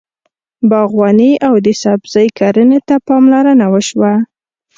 باغواني او د سبزۍ کرنې ته پاملرنه وشوه.